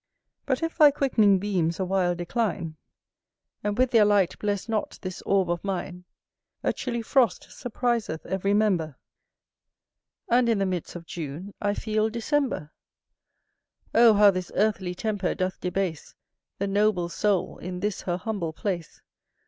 But if thy quickening beams a while decline, And with their light bless not this orb of mine, A chilly frost surpriseth every member. And in the midst of June I feel December. Oh how this earthly temper doth debase The noble soul, in this her humble place!